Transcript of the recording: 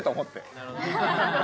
なるほどね。